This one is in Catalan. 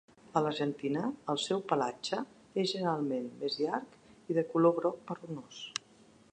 A l'Argentina, el seu pelatge és generalment més llarg i de color groc marronós.